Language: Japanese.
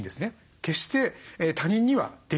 決して他人にはできないんです。